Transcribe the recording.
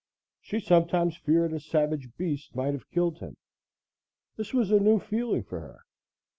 She sometimes feared a savage beast might have killed him. This was a new feeling for her.